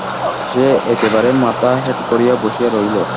সে একেবারে মাথা হেঁট করিয়া বসিয়া রহিল।